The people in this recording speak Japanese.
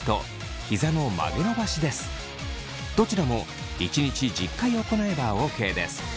どちらも１日１０回行えばＯＫです。